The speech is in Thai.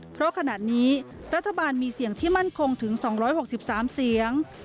เพราะขณะนี้รัฐบาลมีเสียงที่มั่นคงถึง๒๖๓เสียง